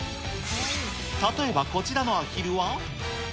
例えばこちらのアヒルは。